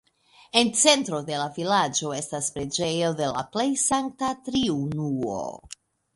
En centro de la vilaĝo estas preĝejo de la Plej Sankta Triunuo.